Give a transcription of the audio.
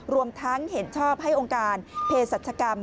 รวมทั้งเห็นชอบให้องค์การเพศรัชกรรม